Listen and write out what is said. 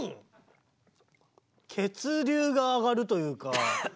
血流が上がるというか。